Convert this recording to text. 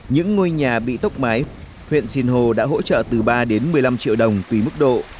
những ngôi nhà bị tốc mái huyện sinh hồ đã hỗ trợ từ ba đến một mươi năm triệu đồng tùy mức độ